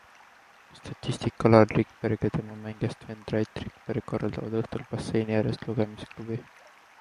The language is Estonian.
Statistik Alar Rikberg ja tema mängijast vend Rait Rikberg korraldavad õhtul basseini ääres lugemisklubi.